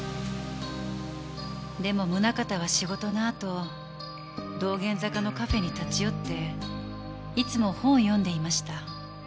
でも宗形は仕事のあと道玄坂のカフェに立ち寄っていつも本を読んでいました。